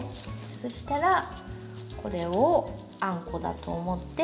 そしたらこれをあんこだと思って。